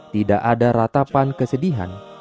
tidak ada ratapan kesedihan